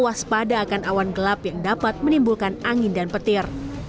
waspada akan awan gelap yang dapat menimbulkan angin dan petir